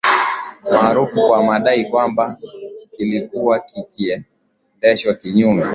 marufuku kwa madai kwamba kilikuwa kikiendeshwa kinyume